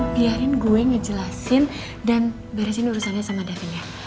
biarin gue ngejelasin dan beresin urusannya sama davin ya